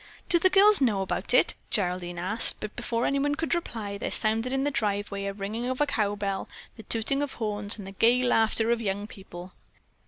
"Do the girls know about it?" Geraldine asked, but before anyone could reply there sounded in the driveway the ringing of a cowbell, the tooting of horns and the gay laughter of young people.